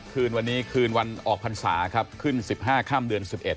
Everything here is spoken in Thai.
คืนวันนี้คืนวันออกพรรษาครับขึ้น๑๕ค่ำเดือน๑๑